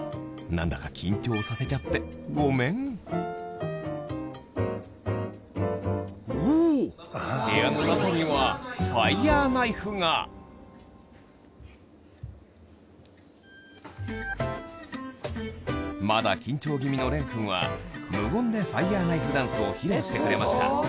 何だか緊張させちゃってごめんお部屋の中にはまだ緊張気味の錬くんは無言でファイヤーナイフダンスを披露してくれました